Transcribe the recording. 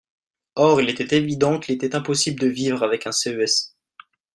Or il était évident qu’il était impossible de vivre avec un CES.